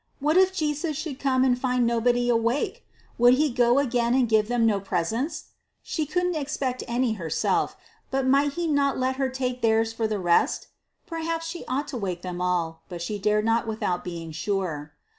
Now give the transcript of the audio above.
What if Jesus should come and find nobody awake? Would he go again and give them no presents? She couldn't expect any herself but might he not let her take theirs for the rest? Perhaps she ought to wake them all, but she dared not without being sure.